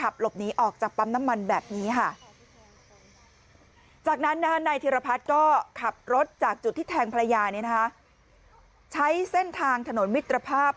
ภรรยานี้นะคะใช้เส้นทางถนนมิตรภาพ